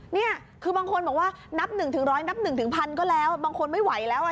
เนี่ยคือบางคนบอกว่านับหนึ่งถึงร้อยนับหนึ่งถึงพันก็แล้วบางคนไม่ไหวแล้วอ่ะ